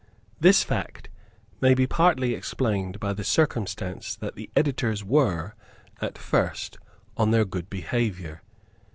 This fact may be partly explained by the circumstance that the editors were, at first, on their good behaviour.